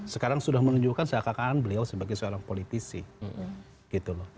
sekarang sudah menunjukkan seakan akan beliau sebagai seorang politisi